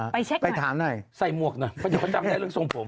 ไปถามหน่อยใส่หมวกหน่อยเพราะเดี๋ยวเขาจำได้เรื่องทรงผม